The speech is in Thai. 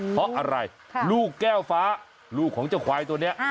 เพราะอะไรลูกแก้วฟ้าลูกของเจ้าควายตัวนี้